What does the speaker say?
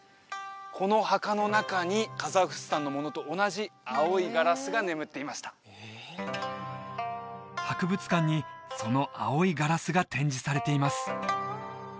この墓の中にカザフスタンのものと同じ青いガラスが眠っていました博物館にその青いガラスが展示されています